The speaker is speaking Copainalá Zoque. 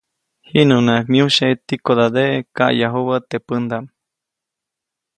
Jiʼnuŋnaʼak myujsye tikodadeʼe kayajubä teʼ pändaʼm.